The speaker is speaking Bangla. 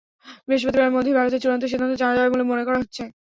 বৃহস্পতিবারের মধ্যেই ভারতের চূড়ান্ত সিদ্ধান্ত জানা যাবে বলে মনে করা হচ্ছে।